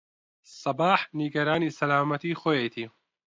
سەباح نیگەرانی سەلامەتیی خۆیەتی.